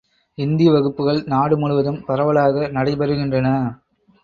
இந்தி வகுப்புகள் நாடு முழுவதும் பரவலாக நடைபெறுகின்றன.